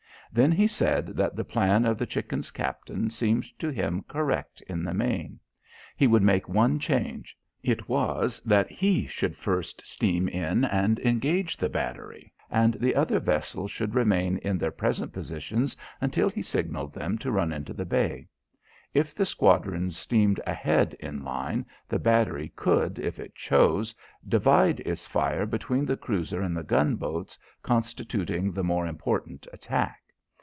Then he said that the plan of the Chicken's captain seemed to him correct in the main. He would make one change. It was that he should first steam in and engage the battery and the other vessels should remain in their present positions until he signalled them to run into the bay. If the squadron steamed ahead in line, the battery could, if it chose, divide its fire between the cruiser and the gunboats constituting the more important attack.